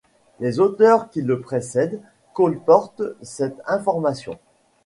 Les auteurs, qui le précèdent, colportent cette information.